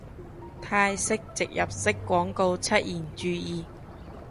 泰式植入式廣告出現注意